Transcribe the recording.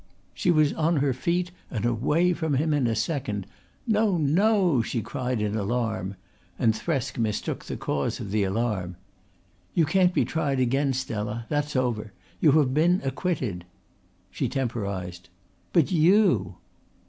She was on her feet and away from him in a second. "No, no," she cried in alarm, and Thresk mistook the cause of the alarm. "You can't be tried again, Stella. That's over. You have been acquitted." She temporised. "But you?"